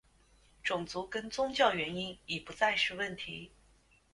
种族跟宗教原因已不再是问题。